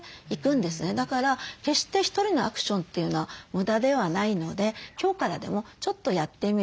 だから決してひとりのアクションというのは無駄ではないので今日からでもちょっとやってみる。